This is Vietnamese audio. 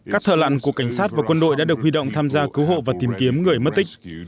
các thợ lặn của cảnh sát và quân đội đã được huy động tham gia cứu hộ và tìm kiếm người mất tích